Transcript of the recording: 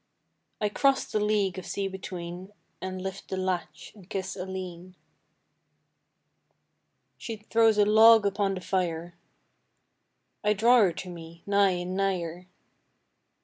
I cross the league of sea between And lift the latch and kiss Aleen. She throws a log upon the fire. I draw her to me, nigh and nigher.